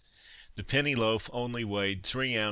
The penny loaf only weighed 3oz.